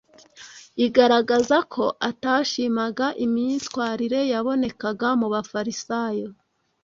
igaragaza ko atashimaga imyitwarire yabonekaga mu Bafarisayo